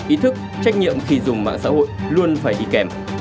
ý thức trách nhiệm khi dùng mạng xã hội luôn phải định